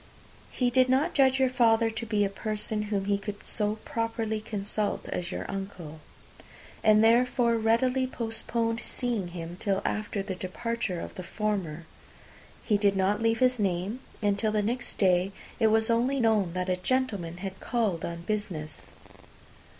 He did not judge your father to be a person whom he could so properly consult as your uncle, and therefore readily postponed seeing him till after the departure of the former. He did not leave his name, and till the next day it was only known that a gentleman had called on business.